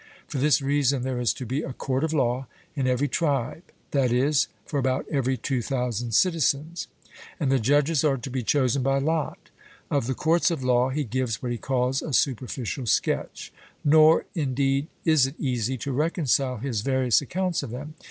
For this reason there is to be a court of law in every tribe (i.e. for about every 2,000 citizens), and the judges are to be chosen by lot.' Of the courts of law he gives what he calls a superficial sketch. Nor, indeed is it easy to reconcile his various accounts of them.